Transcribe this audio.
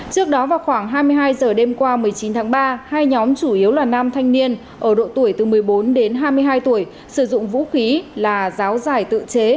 trước đó vào khoảng hai mươi hai giờ đêm qua một mươi chín tháng ba hai nhóm chủ yếu là nam thanh niên ở độ tuổi từ một mươi bốn đến hai mươi hai tuổi sử dụng vũ khí là giáo giải tự chế